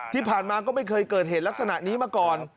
ที่ผ่านมาก็ไม่เคยเกิดเหตุลักษณะนี้มาก่อน